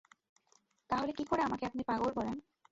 তাহলে কী করে আমাকে আপনি পাগল বলেন?